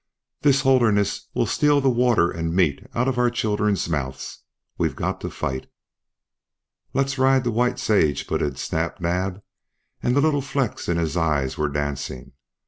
"This Holderness will steal the water and meat out of our children's mouths. We've got to fight!" "Let's ride to White Sage," put in Snap Naab, and the little flecks in his eyes were dancing.